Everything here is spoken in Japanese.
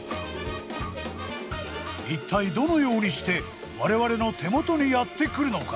一体どのようにして我々の手元にやって来るのか？